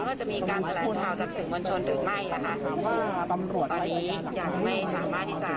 ว่าจะมีการตลาดข่าวจากสิ่งบัญชนหรือไม่นะคะตอนนี้ยังไม่สามารถที่จะ